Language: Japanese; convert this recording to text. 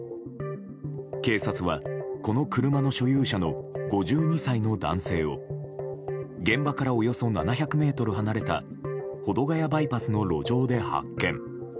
警察は、この車の所有者の５２歳の男性を現場からおよそ７００ｍ離れた保土ヶ谷バイパスの路上で発見。